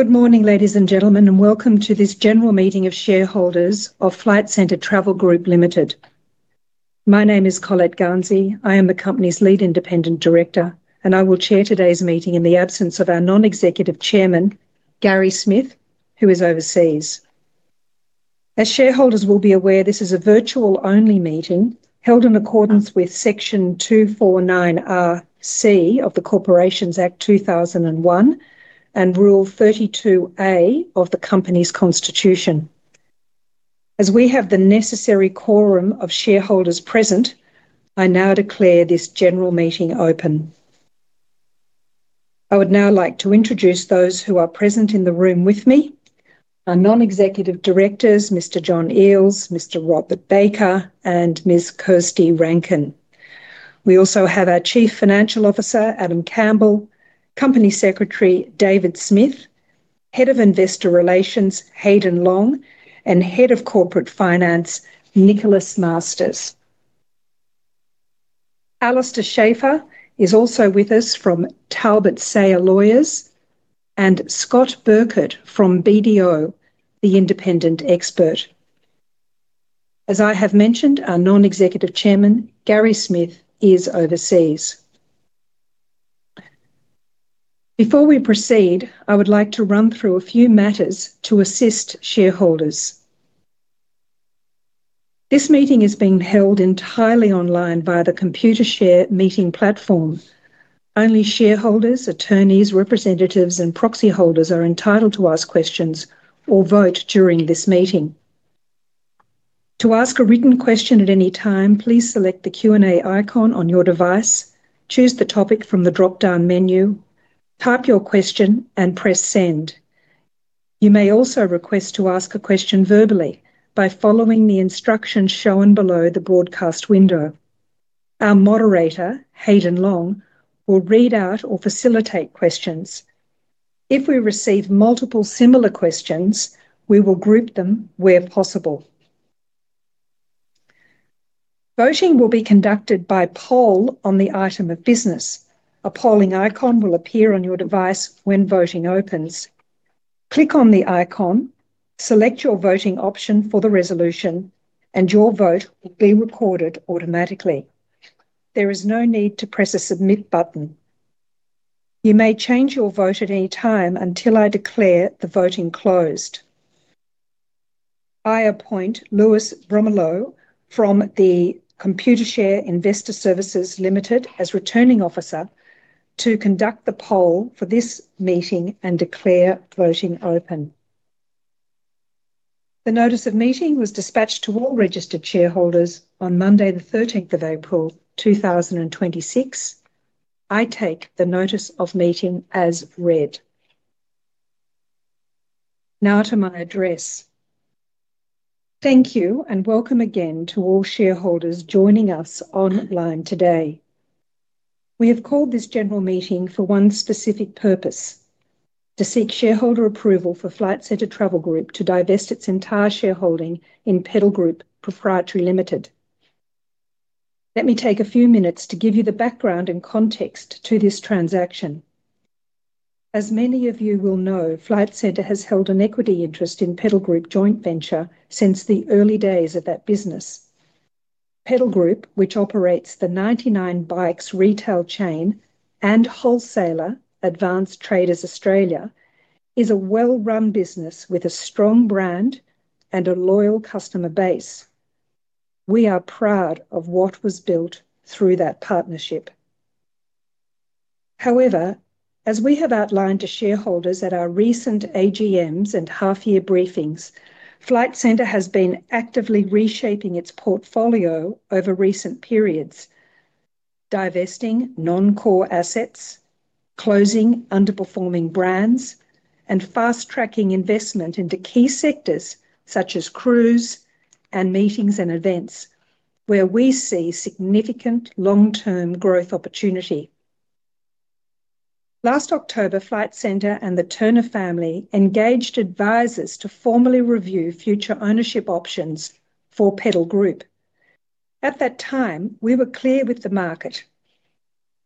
Good morning, ladies and gentlemen, and welcome to this general meeting of shareholders of Flight Centre Travel Group Limited. My name is Colette Garnsey. I am the company's Lead Independent Director, and I will chair today's meeting in the absence of our Non-Executive Chairman, Gary Smith, who is overseas. As shareholders will be aware, this is a virtual-only meeting held in accordance with Section 249R(c) of the Corporations Act 2001 and Rule 32(a) of the company's constitution. As we have the necessary quorum of shareholders present, I now declare this general meeting open. I would now like to introduce those who are present in the room with me. Our non-executive directors, Mr. John Eales, Mr. Robert Baker, and Ms. Kirsty Rankin. We also have our Chief Financial Officer, Adam Campbell, Company Secretary David Smith, Head of Investor Relations Haydn Long, and Head of Corporate Finance Nicholas Masters. Alistair Schaefer is also with us from Talbot Sayer Lawyers, and Scott Birkett from BDO, the independent expert. As I have mentioned, our Non-Executive Chairman, Gary Smith, is overseas. Before we proceed, I would like to run through a few matters to assist shareholders. This meeting is being held entirely online via the Computershare meeting platform. Only shareholders, attorneys, representatives, and proxy holders are entitled to ask questions or vote during this meeting. To ask a written question at any time, please select the Q&A icon on your device, choose the topic from the dropdown menu, type your question, and press Send. You may also request to ask a question verbally by following the instructions shown below the broadcast window. Our moderator, Haydn Long, will read out or facilitate questions. If we receive multiple similar questions, we will group them where possible. Voting will be conducted by poll on the item of business. A polling icon will appear on your device when voting opens. Click on the icon, select your voting option for the resolution, and your vote will be recorded automatically. There is no need to press a Submit button. You may change your vote at any time until I declare the voting closed. I appoint Lewis Bromilow from the Computershare Investor Services Limited as returning officer to conduct the poll for this meeting and declare voting open. The notice of meeting was dispatched to all registered shareholders on Monday the 13th of April, 2026. I take the notice of meeting as read. Now to my address. Thank you and welcome again to all shareholders joining us online today. We have called this general meeting for one specific purpose, to seek shareholder approval for Flight Centre Travel Group to divest its entire shareholding in Pedal Group Proprietary Limited. Let me take a few minutes to give you the background and context to this transaction. As many of you will know, Flight Centre has held an equity interest in Pedal Group joint venture since the early days of that business. Pedal Group, which operates the 99 Bikes retail chain and wholesaler, Advance Traders Australia, is a well-run business with a strong brand and a loyal customer base. We are proud of what was built through that partnership. As we have outlined to shareholders at our recent AGMs and half-year briefings, Flight Centre has been actively reshaping its portfolio over recent periods, divesting non-core assets, closing underperforming brands, and fast-tracking investment into key sectors such as cruise and meetings and events where we see significant long-term growth opportunity. Last October, Flight Centre and the Turner family engaged advisors to formally review future ownership options for Pedal Group. At that time, we were clear with the market.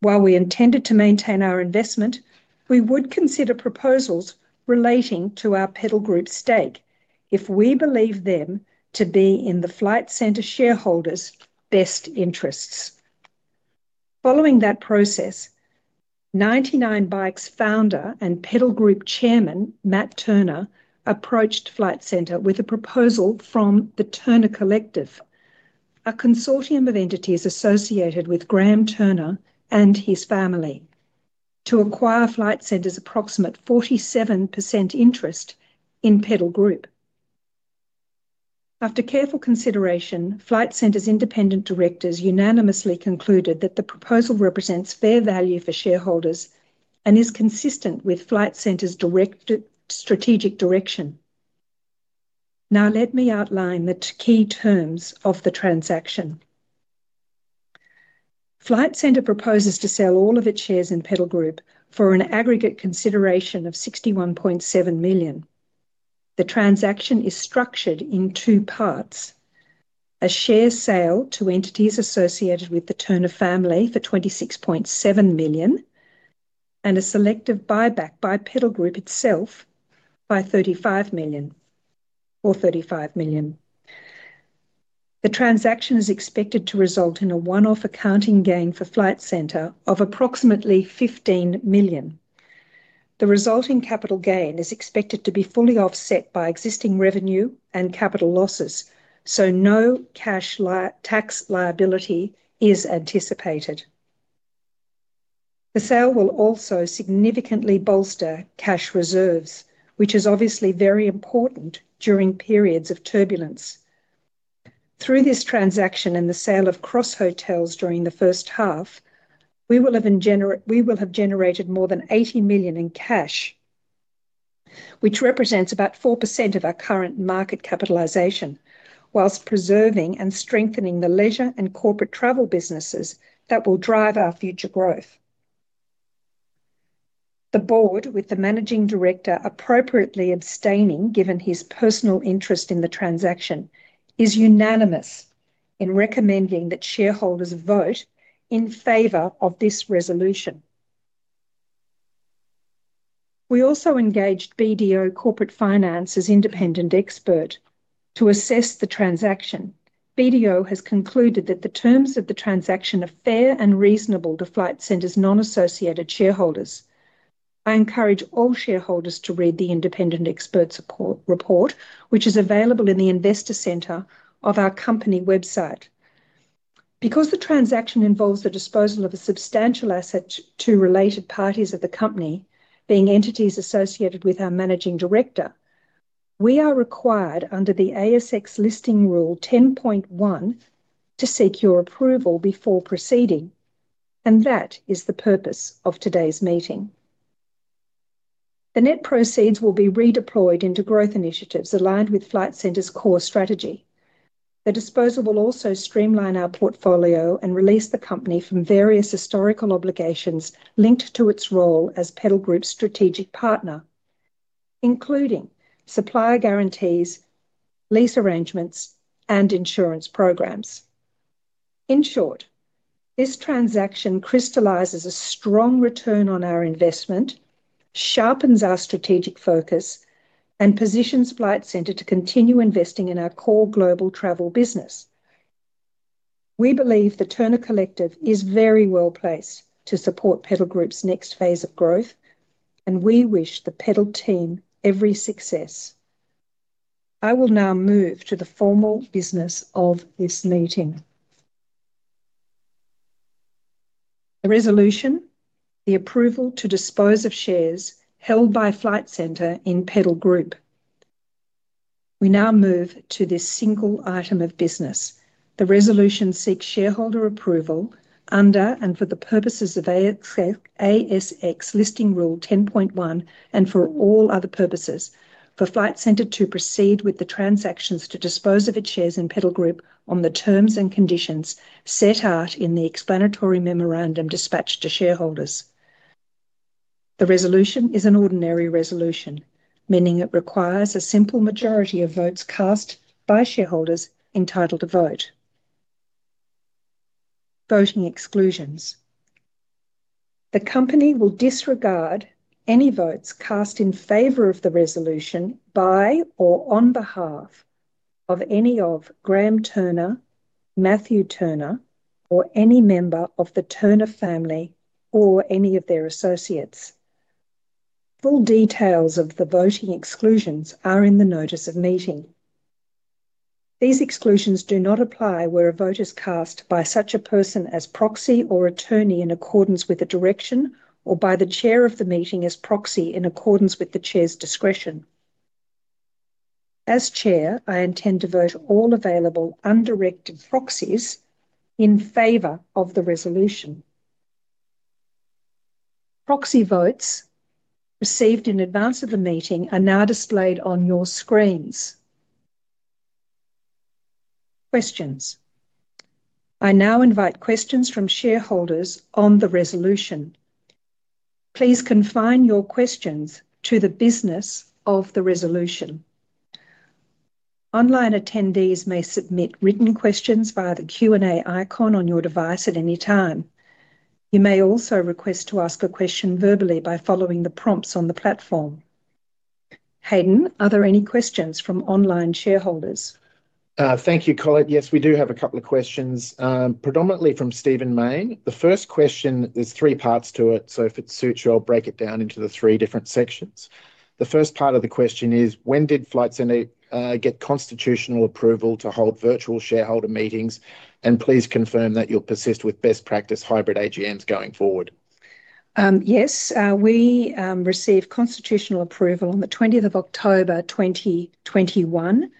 While we intended to maintain our investment, we would consider proposals relating to our Pedal Group stake if we believe them to be in the Flight Centre shareholders' best interests. Following that process, 99 Bikes founder and Pedal Group chairman, Matt Turner, approached Flight Centre with a proposal from the Turner Collective, a consortium of entities associated with Graham Turner and his family, to acquire Flight Centre's approximate 47% interest in Pedal Group. After careful consideration, Flight Centre's independent directors unanimously concluded that the proposal represents fair value for shareholders and is consistent with Flight Centre's strategic direction. Let me outline the key terms of the transaction. Flight Centre proposes to sell all of its shares in Pedal Group for an aggregate consideration of 61.7 million. The transaction is structured in two parts, a share sale to entities associated with the Turner family for 26.7 million, and a selective buyback by Pedal Group itself by 35 million, or 35 million. The transaction is expected to result in a one-off accounting gain for Flight Centre of approximately 15 million. The resulting capital gain is expected to be fully offset by existing revenue and capital losses. No cash tax liability is anticipated. The sale will also significantly bolster cash reserves, which is obviously very important during periods of turbulence. Through this transaction and the sale of Cross Hotels during the first half, we will have generated more than 80 million in cash, which represents about 4% of our current market capitalization, whilst preserving and strengthening the leisure and corporate travel businesses that will drive our future growth. The board, with the managing director appropriately abstaining, given his personal interest in the transaction, is unanimous in recommending that shareholders vote in favor of this resolution. We also engaged BDO Corporate Finance's independent expert to assess the transaction. BDO has concluded that the terms of the transaction are fair and reasonable to Flight Centre's non-associated shareholders. I encourage all shareholders to read the independent expert support report, which is available in the investor center of our company website. Because the transaction involves the disposal of a substantial asset to related parties of the company, being entities associated with our Managing Director, we are required under the ASX Listing Rule 10.1 to seek your approval before proceeding, and that is the purpose of today's meeting. The net proceeds will be redeployed into growth initiatives aligned with Flight Centre's core strategy. The disposal will also streamline our portfolio and release the company from various historical obligations linked to its role as Pedal Group's strategic partner, including supplier guarantees, lease arrangements, and insurance programs. In short, this transaction crystallizes a strong return on our investment, sharpens our strategic focus, and positions Flight Centre to continue investing in our core global travel business. We believe the Turner Collective is very well-placed to support Pedal Group's next phase of growth, and we wish the Pedal team every success. I will now move to the formal business of this meeting. The resolution, the approval to dispose of shares held by Flight Centre in Pedal Group. We now move to this single item of business. The resolution seeks shareholder approval under and for the purposes of ASX Listing Rule 10.1, and for all other purposes, for Flight Centre to proceed with the transactions to dispose of its shares in Pedal Group on the terms and conditions set out in the explanatory memorandum dispatched to shareholders. The resolution is an ordinary resolution, meaning it requires a simple majority of votes cast by shareholders entitled to vote. Voting exclusions. The company will disregard any votes cast in favor of the resolution by or on behalf of any of Graham Turner, Matthew Turner, or any member of the Turner family or any of their associates. Full details of the voting exclusions are in the notice of meeting. These exclusions do not apply where a vote is cast by such a person as proxy or attorney in accordance with the direction, or by the chair of the meeting as proxy in accordance with the chair's discretion. As chair, I intend to vote all available undirected proxies in favor of the resolution. Proxy votes received in advance of the meeting are now displayed on your screens. Questions. I now invite questions from shareholders on the resolution. Please confine your questions to the business of the resolution. Online attendees may submit written questions via the Q&A icon on your device at any time. You may also request to ask a question verbally by following the prompts on the platform. Haydn, are there any questions from online shareholders? Thank you, Colette. Yes, we do have a couple of questions, predominantly from Stephen Mayne. The first question, there's three parts to it, so if it suits you, I'll break it down into the three different sections. The first part of the question is, "When did Flight Centre get constitutional approval to hold virtual shareholder meetings? Please confirm that you'll persist with best practice hybrid AGMs going forward. Yes. We received constitutional approval on the 20th of October, 2021,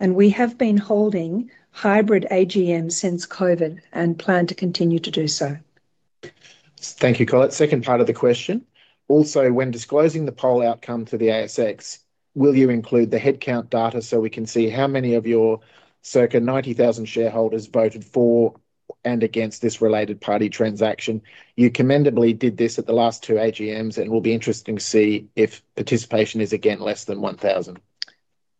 and we have been holding hybrid AGM since COVID, and plan to continue to do so. Thank you, Colette. Second part of the question: "Also, when disclosing the poll outcome to the ASX, will you include the head count data so we can see how many of your circa 90,000 shareholders voted for or- And against this related party transaction. You commendably did this at the last two AGMs, and it will be interesting to see if participation is again less than 1,000.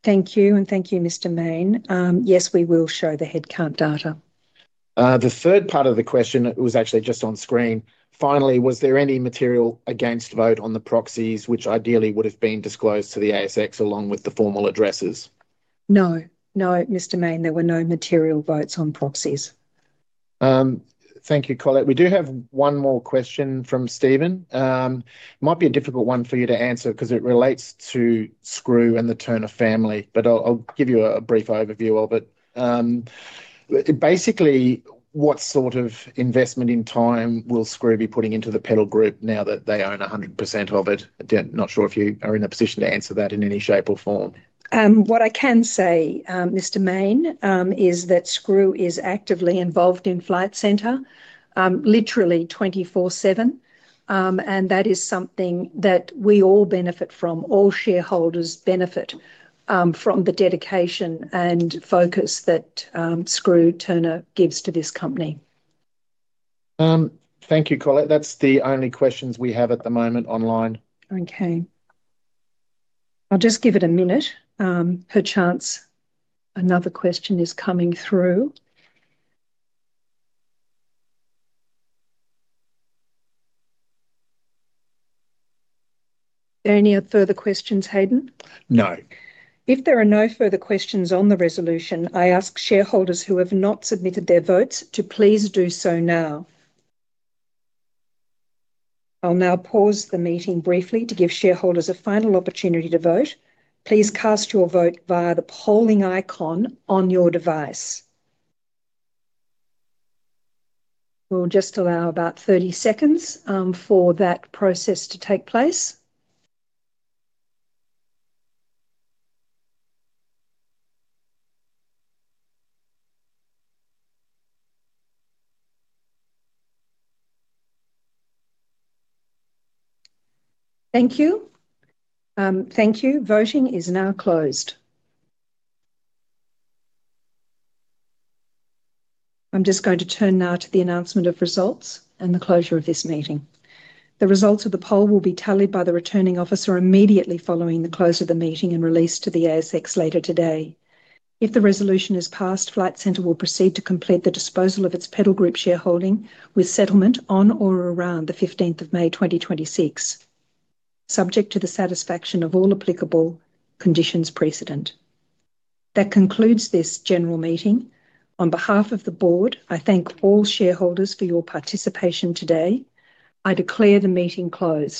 Thank you, and thank you, Mr. Mayne. Yes, we will show the head count data. The third part of the question was actually just on screen. Was there any material against vote on the proxies, which ideally would have been disclosed to the ASX along with the formal addresses? No. No, Mr. Mayne, there were no material votes on proxies. Thank you, Colette. We do have one more question from Stephen. Might be a difficult one for you to answer because it relates to Skroo and the Turner family, but I'll give you a brief overview of it. Basically, what sort of investment in time will Skroo be putting into the Pedal Group now that they own 100% of it? Again, not sure if you are in a position to answer that in any shape or form. What I can say, Mr. Mayne, is that Skroo is actively involved in Flight Centre, literally 24/7. That is something that we all benefit from. All shareholders benefit from the dedication and focus that Skroo Turner gives to this company. Thank you, Colette. That's the only questions we have at the moment online. Okay. I'll just give it a minute, perchance another question is coming through. Are there any further questions, Haydn? No. If there are no further questions on the resolution, I ask shareholders who have not submitted their votes to please do so now. I'll now pause the meeting briefly to give shareholders a final opportunity to vote. Please cast your vote via the polling icon on your device. We'll just allow about 30 seconds for that process to take place. Thank you. Thank you. Voting is now closed. I'm just going to turn now to the announcement of results and the closure of this meeting. The results of the poll will be tallied by the returning officer immediately following the close of the meeting, and released to the ASX later today. If the resolution is passed, Flight Centre will proceed to complete the disposal of its Pedal Group shareholding, with settlement on or around the 15th of May, 2026, subject to the satisfaction of all applicable conditions precedent. That concludes this general meeting. On behalf of the board, I thank all shareholders for your participation today. I declare the meeting closed.